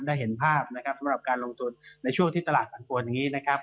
ได้เห็นภาพนะครับสำหรับการลงทุนในช่วงที่ตลาดผันปวนอย่างนี้นะครับ